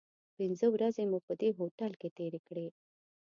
پنځه ورځې مو په دې هوټل کې تیرې کړې.